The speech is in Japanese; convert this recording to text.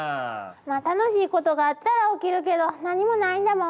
まあ楽しいことがあったら起きるけど何もないんだもん。